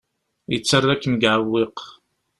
Yettarra-kem deg uɛewwiq.